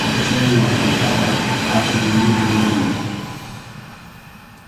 Chay wamrataqa ashnu nirmi nin.